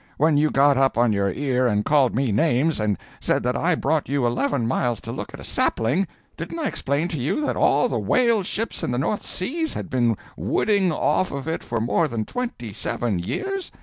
When you got up on your ear and called me names, and said I had brought you eleven miles to look at a sapling, didn't I explain to you that all the whale ships in the North Seas had been wooding off of it for more than twenty seven years?